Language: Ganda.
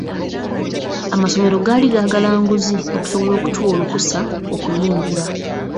Amasomero gaali gaagala nguzi okusobola okutuwa olukusa okuyingira.